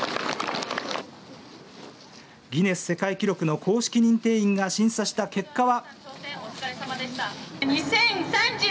ギネス世界記録の公式認定員が審査した結果は。